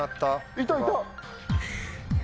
いたいた！